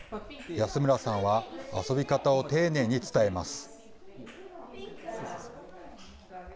安村さんは、遊び方を丁寧に伝えます。